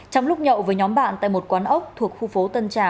trong lúc nhậu với nhóm bạn tại một quán ốc thuộc khu phố tân trà